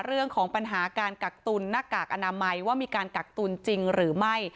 เรื่องของปัญหาการกักตุนหน้ากากอนามัยว่ามีการกักตุลจริงหรือไม่